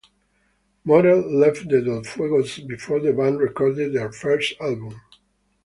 Morell left the Del Fuegos before the band recorded their first album.